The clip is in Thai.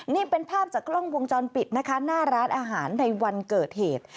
นี่เป็นภาพจากกล้องวงจรปิดนะคะหน้าร้านอาหารในวันเกิดเหตุ